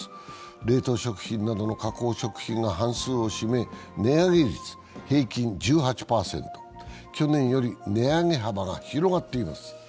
冷凍食品などの加工食品が半数を占め値上げ率の平均、１８％、去年より値上げ幅が広がっています。